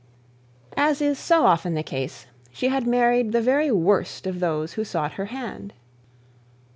As is so often the case, she had married the very worst of those who sought her hand.